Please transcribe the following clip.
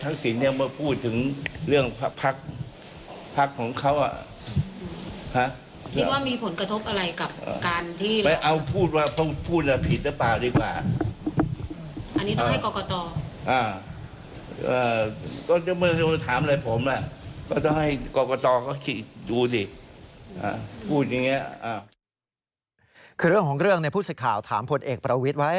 คือเรื่องของเรื่องเนี่ยผู้สื่อข่าวถามพลเอกประวิทย์ไว้